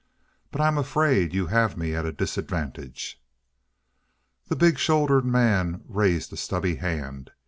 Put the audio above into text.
"But I'm afraid you have me at a disadvantage." The big shouldered man raised a stubby hand.